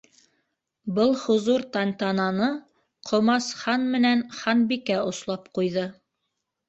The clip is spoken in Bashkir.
Был хозур тантананы Ҡомас ХАН МЕНӘН ХАНБИКӘ ослап ҡуйҙы.